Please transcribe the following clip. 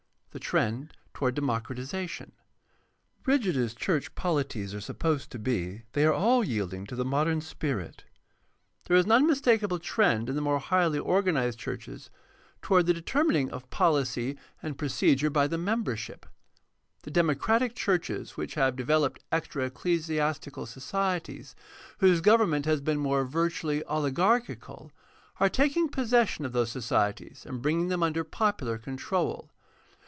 The trend toward democratization. — Rigid as church poHties are supposed to be, they are all yielding to the modem spirit. There is an unmistakable trend in the more highly organized churches toward the determining of policy and pro 598 GUIDE TO STUDY OF CHRISTIAN RELIGION cedure by the membership. The democratic churches which have developed extra ecclesiastical societies, whose govern ment has been virtually oligarchical, are taking possession of those societies and bringing them under popular control.